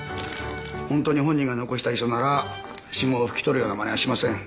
本当に本人が残した遺書なら指紋を拭き取るような真似はしません。